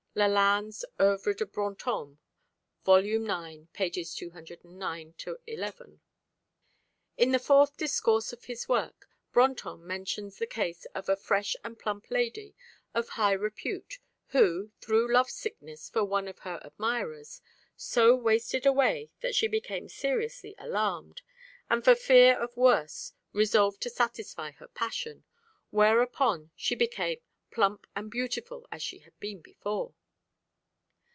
Lalanne's OEuvres de Brantôme, vol. ix. pp. 209 n. In the Fourth Discourse of his work, Brantôme mentions the case of a "fresh and plump" lady of high repute, who, through love sickness for one of her admirers, so wasted away that she became seriously alarmed, and for fear of worse resolved to satisfy her passion, whereupon she became "plump and beautiful as she had been before."